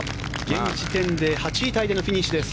現時点で８位タイでのフィニッシュです。